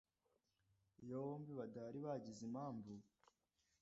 iyo bombi badahari bagize impamvu